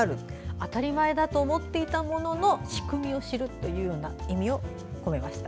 当たり前だと思っていたものの仕組みを知るという意味を込めました。